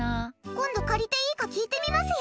今度借りていいか聞いてみますよ。